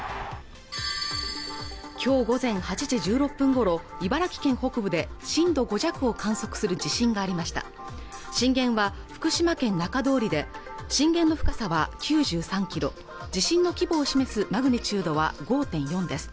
今日午前８時１６分ごろ茨城県北部で震度５弱を観測する地震がありました震源は福島県中通りで震源の深さは９３キロ地震の規模を示すマグニチュードは５．４です